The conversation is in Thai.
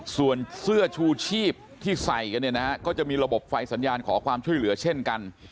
ส่วนเสื้อชูชีพที่ใส่กันเนี่ยนะฮะก็จะมีระบบไฟสัญญาณขอความช่วยเหลือเช่นกัน